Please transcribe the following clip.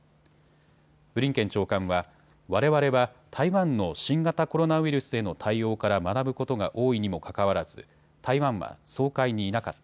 ブリンケン長官はわれわれは台湾の新型コロナウイルスへの対応から学ぶことが多いにもかかわらず台湾は総会にいなかった。